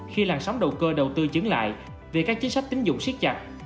khi làng sóng đầu cơ đầu tư chứng lại về các chính sách tính dụng siết chặt